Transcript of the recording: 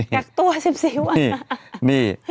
กักตัว๑๔วัน